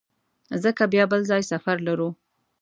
ځکه بیا بل ځای سفر لرو.